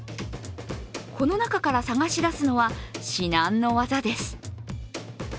この中から探しだすのは至難の業です。